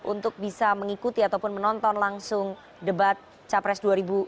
untuk bisa mengikuti ataupun menonton langsung debat capres dua ribu dua puluh